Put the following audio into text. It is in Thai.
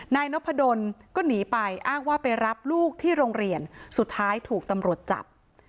นายนพดลก็หนีไปอ้างว่าไปรับลูกที่โรงเรียนสุดท้ายถูกตำรวจจับ